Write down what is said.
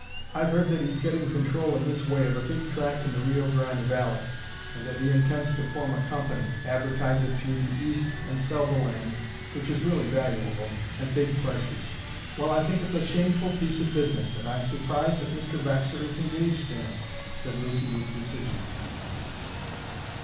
I've heard that he's getting control in this way of a big tract in the Rio Grande valley and that he intends to form a company, advertise it through the East, and sell the land, which is really valuable, at big prices." "Well, I think it's a shameful piece of business, and I'm surprised that Mr. Baxter is engaged in it!" said Lucy with decision.